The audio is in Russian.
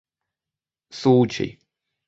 случай